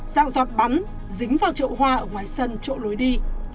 dạng giọt bắn dính vào chỗ hoa ở ngoài sân chỗ lối đi